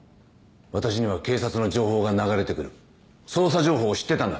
私には警察の情報が流れて来る捜査情報を知ってたんだ。